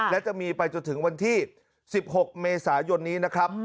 และจะมีไปจนถึงวันที่๑๖เมษายนนี้นะครับ